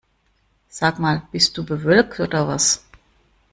Sag mal, bist du bewölkt oder was?